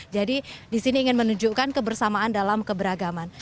jadi di sini ingin menunjukkan kebersamaan dalam keberagaman